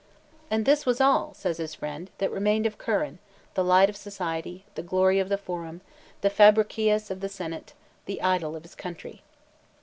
"And this was all," says his friend, "that remained of Curran—the light of society—the glory of the forum—the Fabricius of the senate—the idol of his country."